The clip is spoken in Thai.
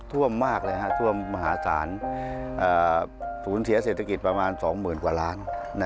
ท่วมมากเลยท่วมมหาศาลสูญเสียเศรษฐกิจประมาณ๒๐๐๐กว่าล้าน